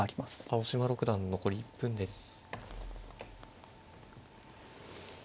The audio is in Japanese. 青嶋六段残り１分です。